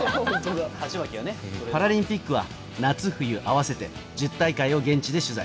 パラリンピックは夏・冬合わせて１０大会を現地で取材。